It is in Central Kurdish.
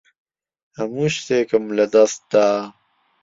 هەموو شتێکم لەدەست دا.